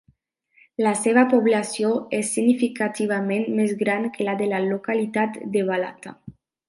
La seva població és significativament més gran que la de la localitat de Balata.